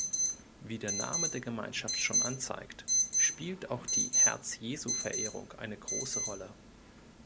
Wie der Name der Gemeinschaft schon anzeigt, spielt auch die Herz-Jesu-Verehrung eine große Rolle.